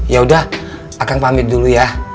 yaudah akang pamit dulu ya